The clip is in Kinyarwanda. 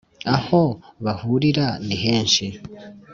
aho bahurira ni henshi